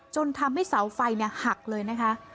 จนทำให้เสาไฟหักเลยนะคะ